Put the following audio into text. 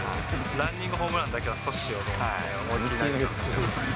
ランニングホームランだけは阻止しようと思って、思いっきり投げたんですよ。